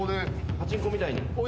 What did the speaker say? パチンコみたいに。